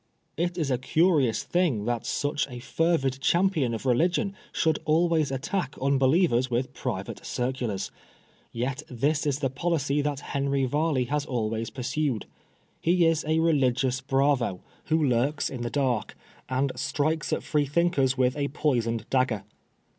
It is a curious thing that such a fervid champion of religion should always attack unbelievers with private circulars. Yet this is the policy that Henry Varley has always pursued. He is a religious bravo, who lurks THE STOBM BHEWING. 23 in the dark, and strikes at Freethinkers with a poisoned dagger.